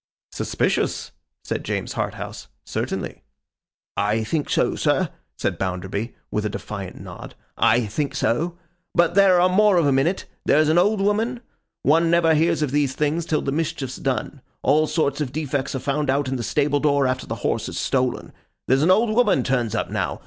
'Suspicious,' said James Harthouse, 'certainly.' 'I think so, sir,' said Bounderby, with a defiant nod. 'I think so. But there are more of 'em in it. There's an old woman. One never hears of these things till the mischief's done; all sorts of defects are found out in the stable door after the horse is stolen; there's an old woman turns up now.